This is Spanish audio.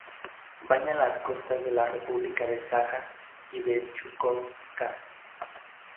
Baña las costas de la República de Saja y de Chukotka.